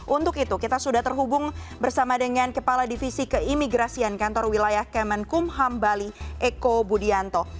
untuk itu kita sudah terhubung bersama dengan kepala divisi keimigrasian kantor wilayah kemenkumham bali eko budianto